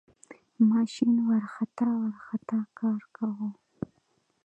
ماشین ورخطا ورخطا کار کاوه.